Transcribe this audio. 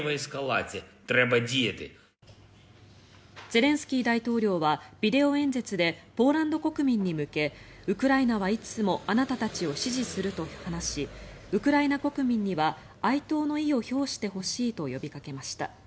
ゼレンスキー大統領はビデオ演説でポーランド国民に向けウクライナはいつもあなたたちを支持すると話しウクライナ国民には哀悼の意を表してほしいと呼びかけました。